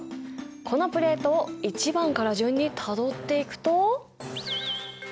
このプレートを１番から順にたどっていくと。